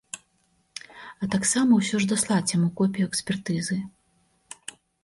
А таксама ўсё ж даслаць яму копію экспертызы.